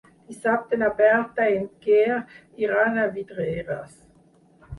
Dissabte na Berta i en Quer iran a Vidreres.